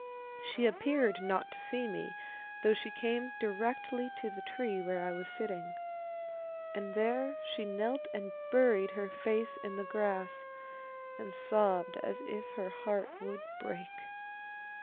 She appeared not to see me, though she came directly to the tree where I was sitting. And there she knelt and buried her face in the grass and sobbed as if her heart would break.